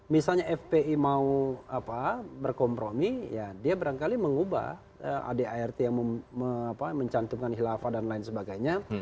misalnya fpi mau berkompromi ya dia barangkali mengubah ad art yang mencantumkan khilafah dan lain sebagainya